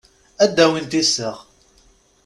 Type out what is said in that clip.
Ad d-awint iseɣ.